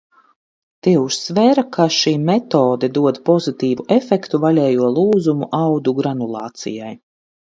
Tie uzsvēra, ka šī metode dod pozitīvu efektu vaļējo lūzumu audu granulācijai.